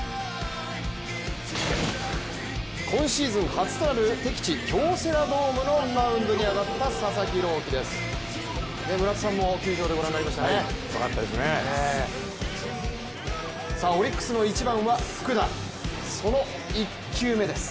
今シーズン初となる敵地・京セラドームのマウンドに上がった佐々木朗希です。